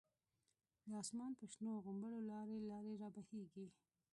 د آسمان په شنو غومبرو، لاری لاری را بهیږی